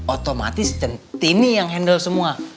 otomatis ini yang handle semua